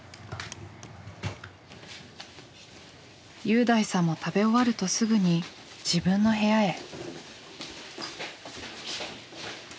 侑大さんも食べ終わるとすぐに自分の部屋へ。